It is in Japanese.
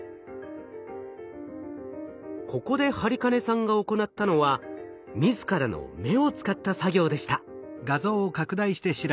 ここで播金さんが行ったのは自らの目を使った作業でした。